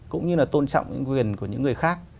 cũng như là tôn trọng những quyền của những người khác